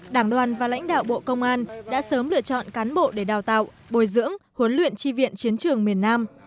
đảng đoàn và lãnh đạo bộ công an đã sớm lựa chọn cán bộ để đào tạo bồi dưỡng huấn luyện chi viện chiến trường miền nam